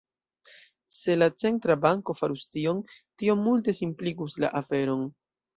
Se la centra banko farus tion, tio multe simpligus la aferon.